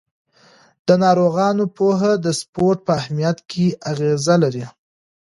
د ناروغانو پوهه د سپورت په اهمیت کې اغېزه لري.